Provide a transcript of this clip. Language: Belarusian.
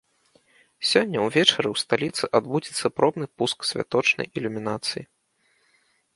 Сёння ўвечары ў сталіцы адбудзецца пробны пуск святочнай ілюмінацыі.